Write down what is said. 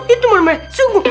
itu maknanya sungguh ngeri